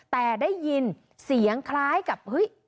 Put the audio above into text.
แต่ได้ยินเสียงคล้ายกับเฮ้ย